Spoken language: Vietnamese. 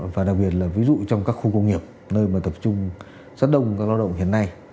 và đặc biệt là ví dụ trong các khu công nghiệp nơi mà tập trung rất đông các lao động hiện nay